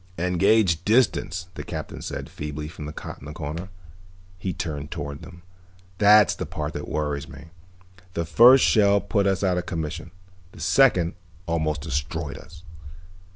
"And gauged distance," the Captain said feebly from the cot in the corner. He turned toward them. "That's the part that worries me. The first shell put us out of commission, the second almost destroyed us.